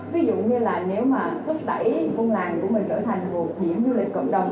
ví dụ như là nếu mà thúc đẩy buôn làng của mình trở thành một điểm du lịch cộng đồng